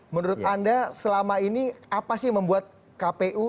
menurut anda selama ini apa sih yang membuat kpu